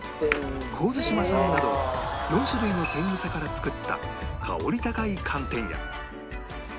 神津島産など４種類の天草から作った香り高い寒天や